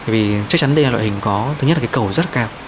vì chắc chắn đây là loại hình có thứ nhất là cái cầu rất cao